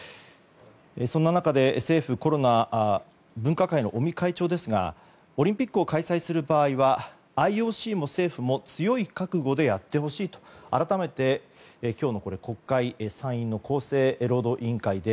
そんな中で政府コロナ分科会の尾身会長ですがオリンピックを開催する場合はＩＯＣも政府も強い覚悟でやってほしいと改めて今日の国会参院の厚生労働委員会で